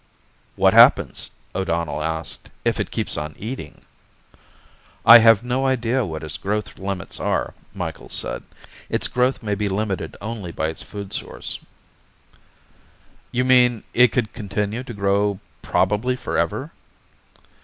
"What happens," O'Donnell asked, "if it keeps on eating?" "I have no idea what its growth limits are," Micheals said. "Its growth may be limited only by its food source." "You mean it could continue to grow probably forever?"